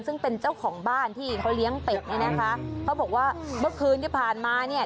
ซึ่งเป็นเจ้าของบ้านที่เขาเลี้ยงเป็ดเนี่ยนะคะเขาบอกว่าเมื่อคืนที่ผ่านมาเนี่ย